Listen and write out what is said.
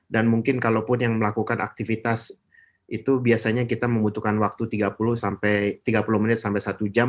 dan mungkin kalaupun yang melakukan aktivitas itu biasanya kita membutuhkan waktu tiga puluh sampai tiga puluh menit sampai satu jam